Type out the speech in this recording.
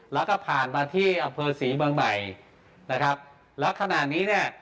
แล้วก็ผ่านมาที่อำเภอศรีเมืองใหม่นะครับแล้วขณะนี้เนี่ย